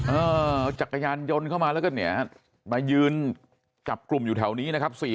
จักรยานยนต์เข้ามาแล้วก็เนี่ยมายืนจับกลุ่มอยู่แถวนี้นะครับ